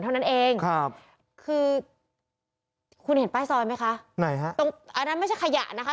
เท่านั้นเองครับคือคุณเห็นป้ายซอยไหมคะไหนฮะตรงอันนั้นไม่ใช่ขยะนะคะ